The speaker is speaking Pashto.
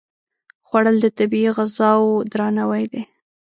خوړل د طبیعي غذاو درناوی دی